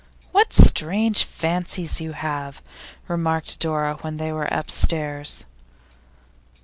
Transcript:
'What strange fancies you have!' remarked Dora, when they were upstairs.